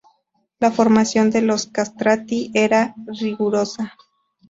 La formación de los castrati era rigurosa.